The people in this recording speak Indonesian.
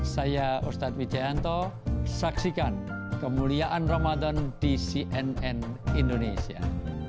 saya ustadz wijayanto saksikan kemuliaan ramadan di cnn indonesia